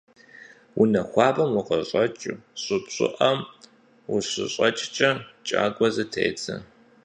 Унэ хуабэм укъыщӀэкӀыу щӀыб щӀыӀэм ущыщӏэкӀкӀэ кӀагуэ зытедзэ.